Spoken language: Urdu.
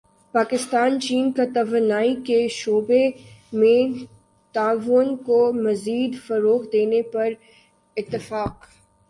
پاکستان چین کا توانائی کے شعبے میں تعاون کو مزید فروغ دینے پر اتفاق